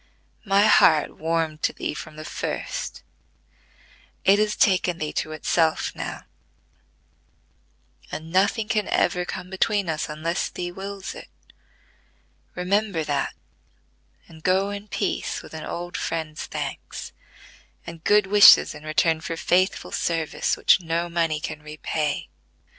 My heart warmed to thee from the first: it has taken thee to itself now; and nothing can ever come between us, unless thee wills it. Remember that, and go in peace with an old friend's thanks, and good wishes in return for faithful service, which no money can repay."